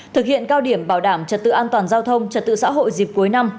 thực hiện cao điểm bảo đảm trật tự an toàn giao thông trật tự xã hội dịp cuối năm